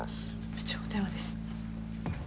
部長お電話です。